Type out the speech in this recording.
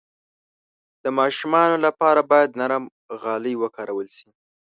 د ماشومانو لپاره باید نرم غالۍ وکارول شي.